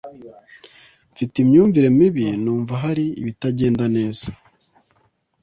Mfite imyumvire mibi numva hari ibitagenda neza.